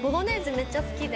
めっちゃ好きで。